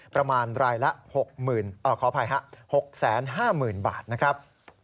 ประมาณรายละ๖๕๐๐๐๐บาทนะครับ